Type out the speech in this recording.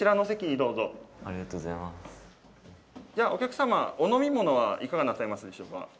おきゃくさまお飲み物はいかがなさいますでしょうか？